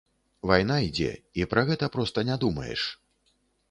Вайна ідзе і пра гэта проста не думаеш.